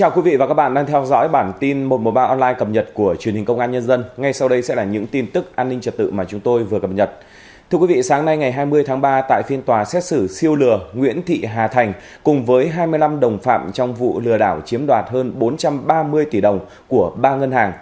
các bạn hãy đăng ký kênh để ủng hộ kênh của chúng mình nhé